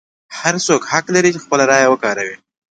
هر څوک حق لري خپله رایه وکاروي.